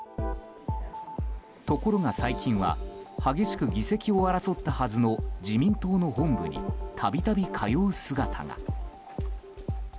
ところが、最近は激しく議席を争ったはずの自民党の本部に度々通う姿が。